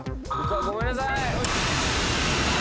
ごめんなさい！